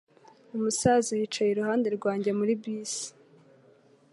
Umusaza yicaye iruhande rwanjye muri bisi.